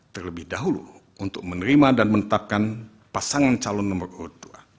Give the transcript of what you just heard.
terlebih dahulu untuk menerima dan menetapkan pasangan calon nomor urut dua